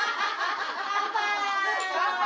乾杯！